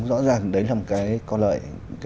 rõ ràng đấy là một cái có lợi